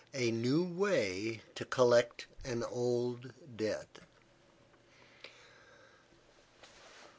A NEW WAY TO COLLECT AN OLD DEBT.